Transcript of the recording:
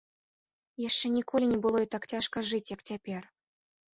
Яшчэ ніколі не было ёй так цяжка жыць, як цяпер.